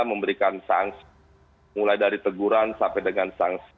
memberikan sanksi mulai dari teguran sampai dengan sanksi